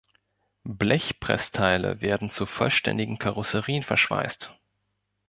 Blechpressteile werden zu vollständigen Karosserien verschweißt.